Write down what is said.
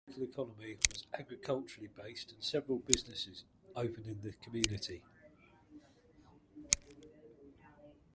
The local economy was agriculturally based and several businesses opened in the community.